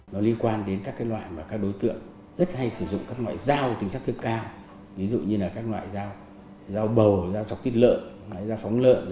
nó liên quan đến các loại mà các đối tượng rất hay sử dụng các loại dao có tính sát thương cao ví dụ như là các loại dao bầu dao choọc tiết lợn dao phóng lợn